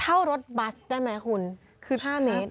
เท่ารถบัสได้ไหมคุณ๕เมตร